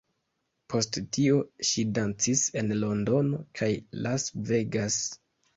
Post tio, ŝi dancis en Londono kaj Las Vegas.